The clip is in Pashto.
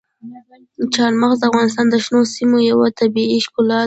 چار مغز د افغانستان د شنو سیمو یوه طبیعي ښکلا ده.